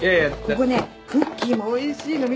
ここねクッキーもおいしいの。